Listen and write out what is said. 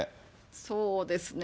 そうですね。